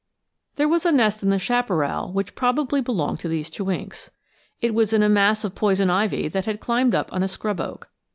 ] There was a nest in the chaparral which probably belonged to these chewinks. It was in a mass of poison ivy that had climbed up on a scrub oak.